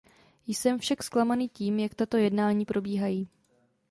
Jsem však zklamaný tím, jak tato jednání probíhají.